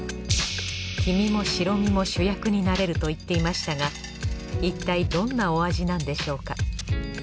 黄身も白身も主役になれると言っていましたがいったいどんなお味なんでしょうか？